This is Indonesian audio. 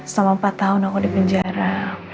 selama empat tahun aku di penjara